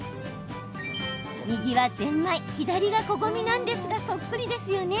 右はぜんまい左がこごみなんですがそっくりですよね。